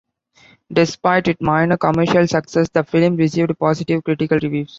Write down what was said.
Despite its minor commercial success, the film received positive critical reviews.